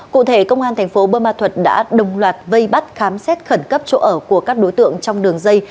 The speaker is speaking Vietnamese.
cụ thể công an thành phố bơ ma thuật đã đồng loạt vây bắt khám xét khẩn cấp chỗ ở của các đối tượng trong đường dây